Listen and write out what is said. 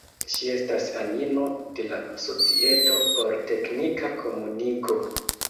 Ŝi estas anino de la Societo por Teknika Komuniko.